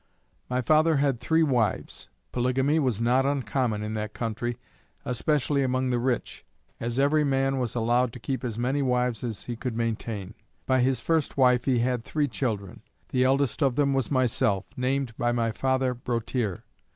My father had three wives. Polygamy was not uncommon in that country, especially among the rich, as every man was allowed to keep as many wives as he could maintain. By his first wife he had three children. The eldest of them was myself, named by my father Broteer.